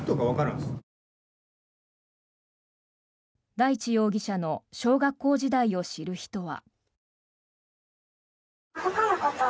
大地容疑者の小学校時代を知る人は。